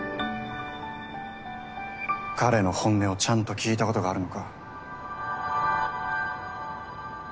彼の本音をちゃんと聞いたことがあるのか？